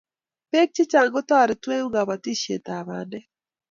beek chechang ko toretuu en kabotishee kab bantek